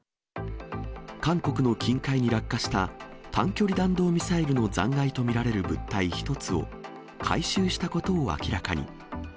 韓国の近海に落下した短距離弾道ミサイルの残骸と見られる物体１つを、回収したことを明らかに。